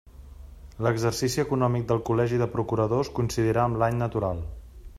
L'exercici econòmic del Col·legi de procuradors coincidirà amb l'any natural.